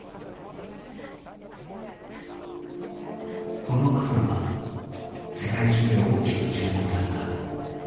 このバトルは世界中で大きく注目された。